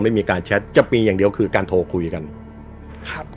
ไม่มีการแชทจะมีอย่างเดียวคือการโทรคุยกันครับ